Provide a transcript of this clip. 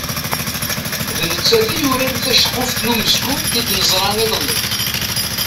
D nettat i yuran taceqquft n umezgun i d-neẓra iḍelli.